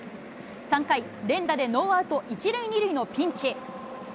３回、連打でノーアウト１塁２塁のピンチ。